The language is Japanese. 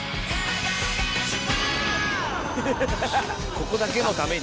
ここだけのために？